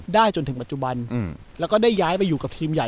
จนถึงปัจจุบันแล้วก็ได้ย้ายไปอยู่กับทีมใหญ่